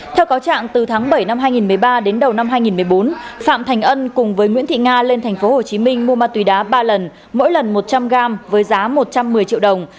theo cáo trạng từ tháng bảy năm hai nghìn một mươi ba đến đầu năm hai nghìn một mươi bốn phạm thành ân cùng với nguyễn thị nga lên tp hcm mua ma túy đá ba lần mỗi lần một trăm linh gram với giá một trăm một mươi triệu đồng